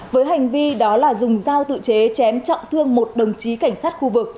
với hành vi đó là dùng dao tự chế chém trọng thương một đồng chí cảnh sát khu vực